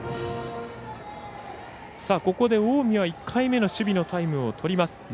ここで、近江は１回目の守備のタイムをとります。